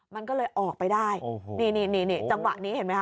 มันก็เลยออกไปได้นี่นี่จังหวะนี้เห็นไหมค